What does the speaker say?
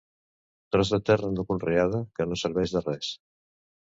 Tros de terra no conreada que no serveix de res.